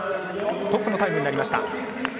トップのタイムになりました。